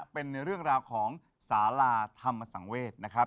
เป็นเรื่องราวของสาราธรรมสังเวศนะครับ